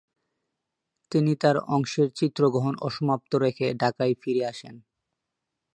তিনি তার অংশের চিত্রগ্রহণ অসমাপ্ত রেখে ঢাকায় ফিরে আসেন।